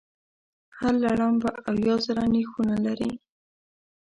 هر لړم به اویا زره نېښونه لري.